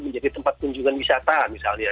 menjadi tempat kunjungan wisata misalnya